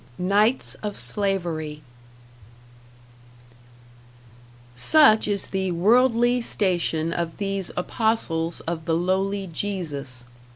#Knights of Slavery# Such is the worldly station of these apostles of the lowly Jesus.